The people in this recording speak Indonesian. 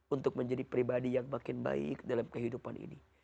untuk menjadi pribadi yang makin baik dalam kehidupan ini